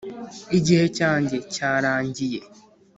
igice cyanjye cyaarangiye